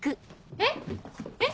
えっえっ。